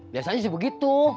biasanya sih begitu